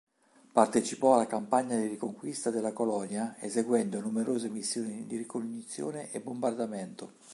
Partecipò alla campagna di riconquista della colonia eseguendo numerose missioni di ricognizione e bombardamento.